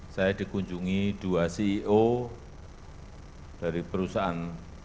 saya dikunjungi dua ceo dari perusahaan